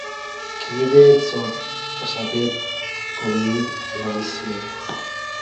kiibet sobeet komiii boisie.